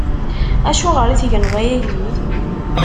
Acuɣeṛ i tegneḍ ay agdud?